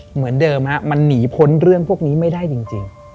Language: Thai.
เหมือนเดิมฮะมันหนีพ้นเรื่องพวกนี้ไม่ได้จริง